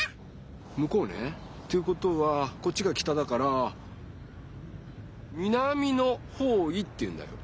むこうね。ということはこっちが北だから南の方位っていうんだよ。